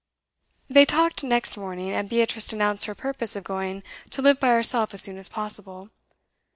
They talked next morning, and Beatrice announced her purpose of going to live by herself as soon as possible.